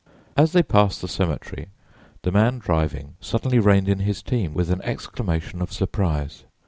As they passed the cemetery the man driving suddenly reined in his team with an exclamation of surprise.